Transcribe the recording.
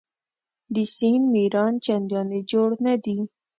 د سیند میران چنداني جوړ نه دي.